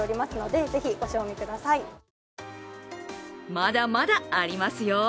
まだまだありますよ。